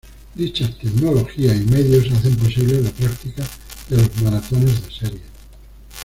Dichas tecnologías y medios hacen posible la práctica de los maratones de series.